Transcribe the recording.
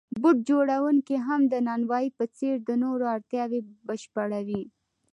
بوټ جوړونکی هم د نانوای په څېر د نورو اړتیاوې بشپړوي